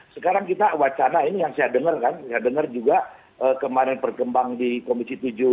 sekarang kita wacana ini yang saya dengar kan saya dengar juga kemarin berkembang di komisi tujuh